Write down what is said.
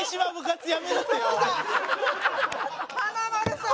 華丸さん！